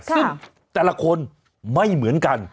ซึ่งแต่ละคนไม่เหมือนกัน